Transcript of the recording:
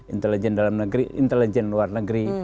intelijen dalam negeri intelijen luar negeri